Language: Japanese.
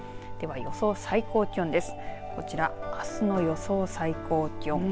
では、予想最高気温です。